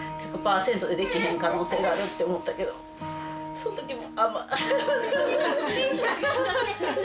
そのときも。